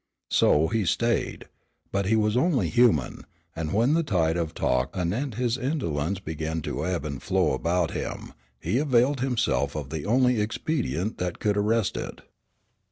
So he stayed. But he was only human, and when the tide of talk anent his indolence began to ebb and flow about him, he availed himself of the only expedient that could arrest it.